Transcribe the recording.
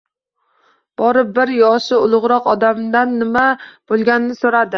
Borib bir yoshi ulugʻroq odamdan nima boʻlganini soʻradim.